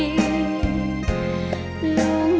ฟาเป็นเพลง